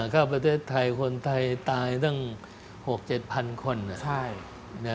เข้าประเทศไทยคนไทยตายตั้ง๖๗พันคน